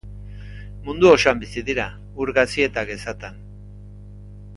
Mundu osoan bizi dira, ur gazi eta gezatan.